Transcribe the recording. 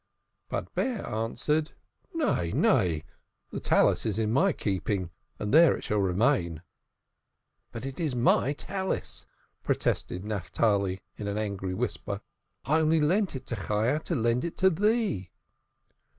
But Bear answered: "Nay, nay; the Talith is in my keeping, and there it shall remain." "But it is my Talith," protested Naphtali in an angry whisper. "I only lent it to Chayah to lend it thee."